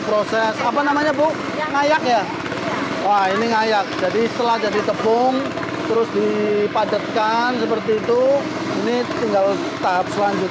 proses mengayak ini dilakukan menggunakan alat sederhana bernama irik